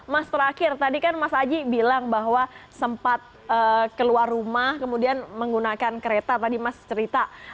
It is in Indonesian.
mas terakhir tadi kan mas aji bilang bahwa sempat keluar rumah kemudian menggunakan kereta tadi mas cerita